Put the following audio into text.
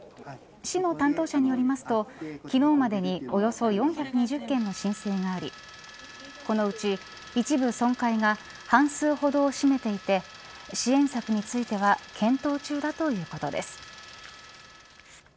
市の担当者によりますと昨日までにおよそ４２０件の申請がありこのうち、一部損壊が半数ほどを占めていて支援策については検討中だということです。